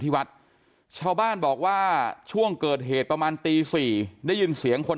ที่วัดชาวบ้านบอกว่าช่วงเกิดเหตุประมาณตี๔ได้ยินเสียงคน